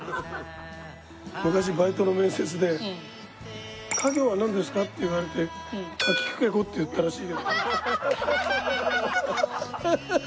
昔バイトの面接で「家業はなんですか？」って言われて「かきくけこ」って言ったらしいけど。